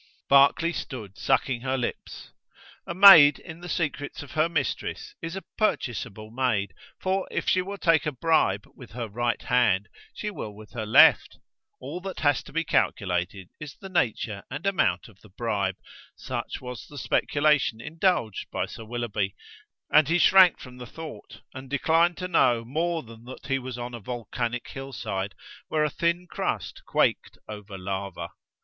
Barclay stood sucking her lips. A maid in the secrets of her mistress is a purchaseable maid, for if she will take a bribe with her right hand she will with her left; all that has to be calculated is the nature and amount of the bribe: such was the speculation indulged by Sir Willoughby, and he shrank from the thought and declined to know more than that he was on a volcanic hillside where a thin crust quaked over lava.